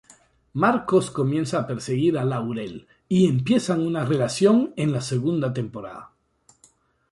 Marcos comienza a perseguir a Laurel, y empiezan una relación en la segunda temporada.